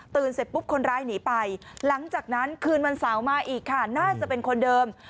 เสร็จปุ๊บคนร้ายหนีไปหลังจากนั้นคืนวันเสาร์มาอีกค่ะน่าจะเป็นคนเดิม